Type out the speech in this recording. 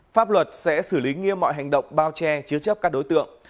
pháp luật sẽ xử lý nghiêm mọi hành động bao che chứa chấp các đối tượng